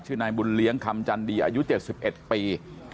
นายบุญเลี้ยงคำจันดีอายุ๗๑ปี